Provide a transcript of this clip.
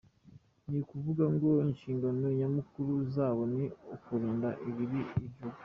Ni ukuvuga ngo inshingano nyamukuru zabo ni ukurinda ibiri i Juba.